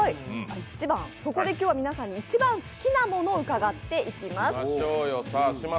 そこで今日は皆さんに一番好きなものを伺っていきます。